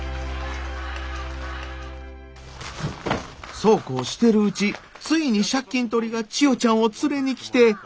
そうこうしてるうちついに借金取りが千代ちゃんを連れに来て。